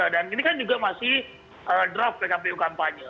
dan ini kan juga masih draft pkpu kampanye